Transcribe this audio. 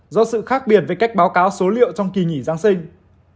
do sự khác biệt về cách báo cáo số liệu trong kỳ nghỉ giáng sinh